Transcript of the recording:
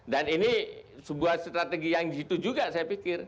dan ini sebuah strategi yang gitu juga saya pikir